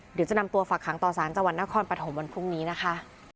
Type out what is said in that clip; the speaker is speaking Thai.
เดี๋ยวจะนำตัวฝากหางต่อสารจังหวัดนครปฐมวันพรุ่งนี้นะคะ